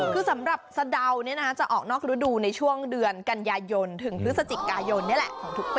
คือสำหรับสะดาวจะออกนอกฤดูในช่วงเดือนกันยายนถึงพฤศจิกายนนี่แหละของทุกปี